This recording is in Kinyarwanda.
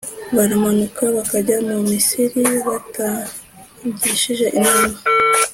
Baramanuka bakajya mu Misiri batangishije inama,